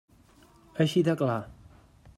Així de clar.